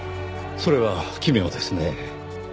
それは奇妙ですねぇ。